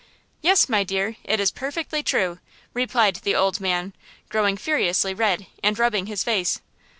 "Yes, my dear, it is perfectly true!" replied the old man growing furiously red, and rubbing his face.